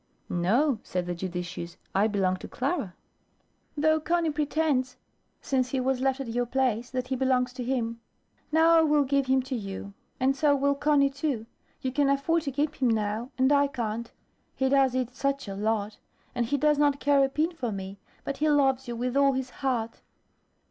"No," said the judicious, "I belong to Clara." "Though Conny pretends, since he was left at your place, that he belongs to him. Now I will give him to you; and so will Conny too. You can afford to keep him now, and I can't, he does eat such a lot; and he does not care a pin for me, but he loves you with all his heart."